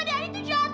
dari itu jahat banget